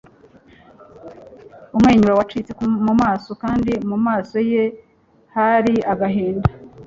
umwenyura wacitse mu maso kandi mu maso ye hari agahinda